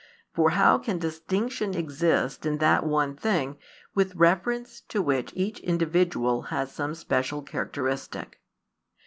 For how can distinction exist in that one thing, with reference to which each individual has some special characteristic?